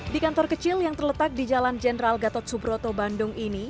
di kantor kecil yang terletak di jalan jenderal gatot subroto bandung ini